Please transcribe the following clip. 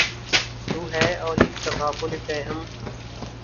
تو ہے اور اک تغافل پیہم